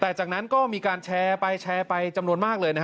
แต่จากนั้นก็มีการแชร์ไปจำนวนมากเลย